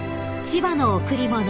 ［『千葉の贈り物』］